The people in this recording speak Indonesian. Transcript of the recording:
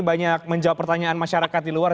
banyak menjawab pertanyaan masyarakat di luar